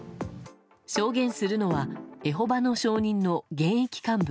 証言するのはエホバの証人の現役幹部。